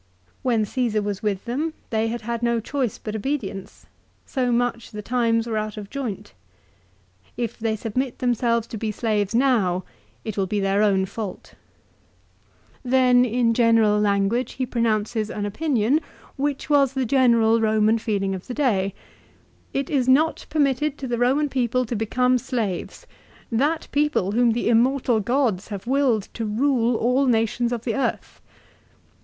When Ceesar was with them they had had no choice but obedience, so much the times were out of joint. If they submit themselves to be slaves now it will be their own fault. Then in general language he pronounces 254 LIFE OF CICERO. an opinion, which was the general Eoman feeling of the day. " It is not permitted to the Eoman people to become slaves; that people whom the immortal gods have willed to rule all nations of the earth."